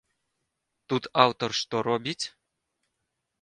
Тут аўтар што робіць?